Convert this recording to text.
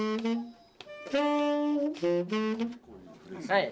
はい。